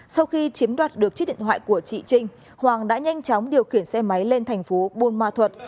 sau khi chiếm đoạt được chiếc điện thoại của chị trinh hoàng đã nhanh chóng điều khiển xe máy lên thành phố buôn ma thuật